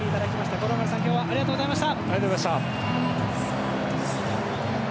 五郎丸さん、今日はありがとうございました。